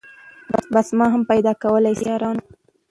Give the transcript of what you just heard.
بس ما هم پیدا کولای سی یارانو